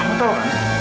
kamu tahu kan